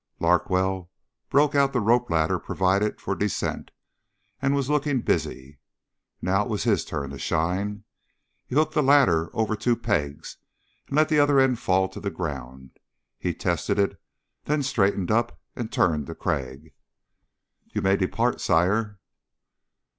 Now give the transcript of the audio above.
Larkwell broke out the rope ladder provided for descent and was looking busy. Now it was his turn to shine. He hooked the ladder over two pegs and let the other end fall to the ground. He tested it then straightened up and turned to Crag. "You may depart, Sire."